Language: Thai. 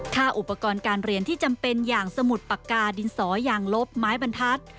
ค่าอุปกรณ์การเรียนที่จำเป็นอย่างสมุดปากกาดินสออย่างลบไม้บรรทัศน์